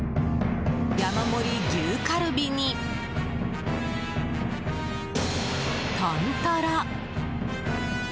山盛り牛カルビに豚トロ！